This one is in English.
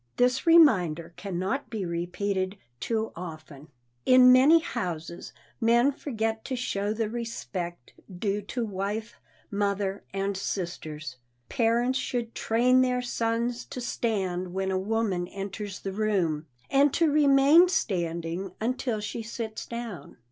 This reminder can not be repeated too often. In many houses men forget to show the respect due to wife, mother and sisters. Parents should train their sons to stand when a woman enters the room, and to remain standing until she sits down.